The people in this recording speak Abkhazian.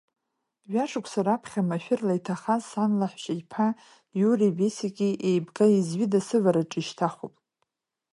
Жә-шықәса раԥхьа машәырла иҭахаз сан лаҳәшьаԥа Иуреи Бесики еибга-еизҩыда сывараҿы ишьҭахуп.